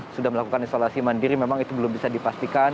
sudah melakukan isolasi mandiri memang itu belum bisa dipastikan